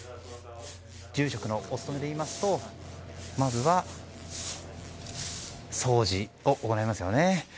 住職のお務めで言いますとまずは掃除を行いますよね。